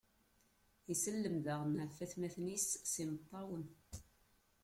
Isellem daɣen ɣef watmaten-is s imeṭṭawen.